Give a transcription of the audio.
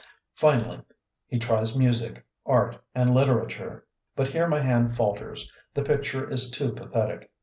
Finally, he tries music, art, and literature; but here my hand falters, the picture is too pathetic.